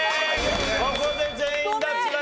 ここで全員脱落。